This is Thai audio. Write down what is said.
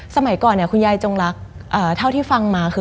สมัยก่อนคุณยายจงรักเท่าที่ฟังมาคือ